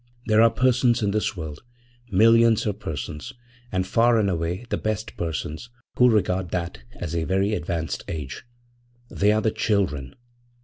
There are persons in this world, millions of persons, and far and away the best persons, who regard that as a very advanced age. They are the children.